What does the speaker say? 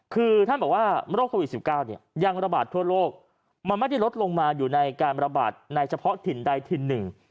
คือท่านบอกว่าโรคโควิด๑๙เนี่ยยังระบาดทั่วโลกมันไม่ได้ลดลงมาอยู่ในการระบาดในเฉพาะถิ่นใดถิ่นหนึ่ง